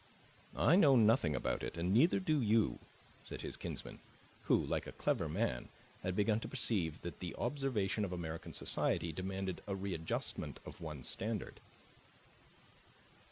"I know nothing about it, and neither do you," said his kinsman, who, like a clever man, had begun to perceive that the observation of American society demanded a readjustment of one's standard.